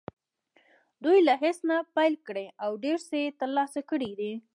دوی له هېڅ نه پیل کړی او ډېر څه یې ترلاسه کړي دي